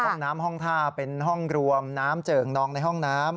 ห้องน้ำห้องท่าเป็นห้องรวมน้ำเจิ่งนองในห้องน้ำ